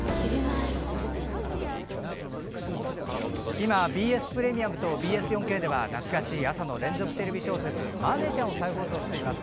今、ＢＳプレミアムとＢＳ４Ｋでは懐かしい朝の連続テレビ小説「マー姉ちゃん」を再放送しています。